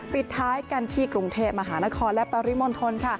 ปิดท้ายกันที่กรุงเทพมหานครและปริมณฑล